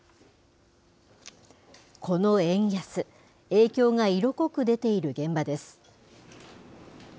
この円安、影響が色濃く出ている現場です。